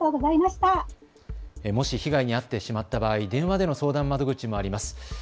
もし被害に遭ってしまった場合、電話での相談窓口もあります。